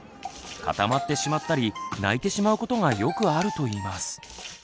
固まってしまったり泣いてしまうことがよくあるといいます。